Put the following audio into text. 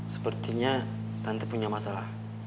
sepertinya tante punya masalah